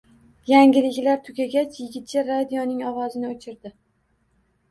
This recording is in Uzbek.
Yangiliklar tugagach, yigitcha radioning ovozini o`chirdi